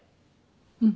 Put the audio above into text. うん。